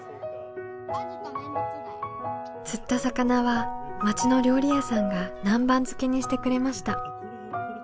釣った魚は町の料理屋さんが南蛮漬けにしてくれました。